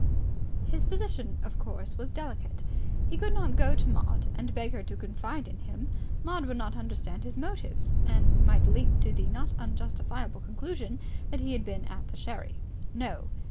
His position, of course, was delicate. He could not go to Maud and beg her to confide in him. Maud would not understand his motives, and might leap to the not unjustifiable conclusion that he had been at the sherry. No!